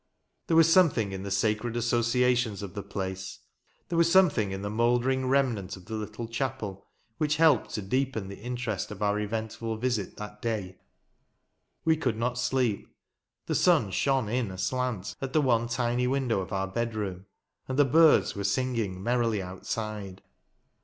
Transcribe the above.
There was something in the sacred associations of the place ; there was something in the mouldering remnant of the little chapel, which helped to deepen the interest of our eventful visit that day. We could not sleep. The sun shone in aslant at the one tiny window of our bedroom, and the birds were singing merrily outside.